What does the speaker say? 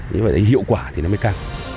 nếu phải hiệu quả thì nó mới cao